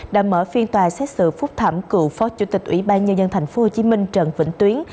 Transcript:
đã mở phiên tòa xét xử phúc thẩm cựu phó chủ tịch ủy ban nhân dân tp hcm trần vĩnh tuyến